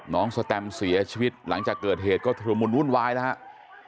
น้องสแตมเสียชีวิตหลังจากเกิดเหตุก็ถูมุนวุ่นวายแล้ว